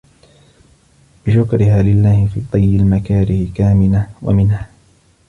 بِشُكْرِهَا لِلَّهِ فِي طَيِّ الْمَكَارِهِ كَامِنَهْ وَمِنْهَا